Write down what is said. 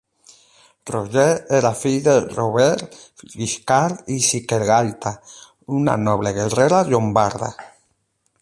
Roger era fill de Robert Guiscard i Siquelgaita, una noble guerrera llombarda.